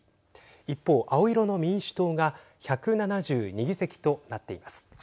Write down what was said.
一方、青色の民主党が１７２議席となっています。